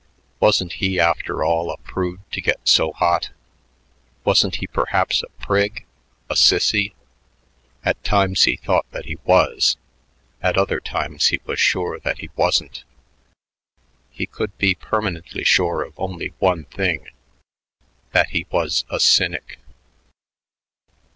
Wasn't he after all a prude to get so hot? Wasn't he perhaps a prig, a sissy? At times he thought that he was; at other times he was sure that he wasn't. He could be permanently sure of only one thing, that he was a cynic.